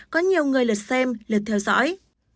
có nhiều người lật xem lật theo dõi